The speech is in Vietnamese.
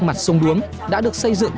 mặt sông đuống đã được xây dựng